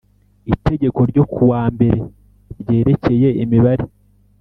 Itegeko ryo ku wa mbere ryerekeye imibare